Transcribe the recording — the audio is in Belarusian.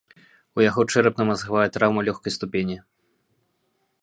У яго чэрапна-мазгавая траўмы лёгкай ступені.